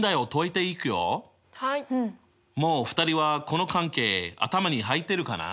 もう２人はこの関係頭に入ってるかな？